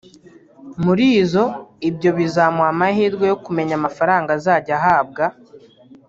murizo ibyo bizamuha amahirwe yo kumenya amafaranga azajya ahabwa